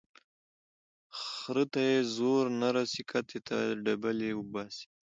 ـ خره ته يې زور نه رسي کتې ته ډبلي اوباسي.